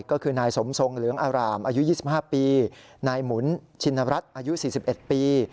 ก็คือนายสมทรงเหลืองอารามอายุ๒๕ปีนายหมุนชินรัฐอายุ๔๑ปี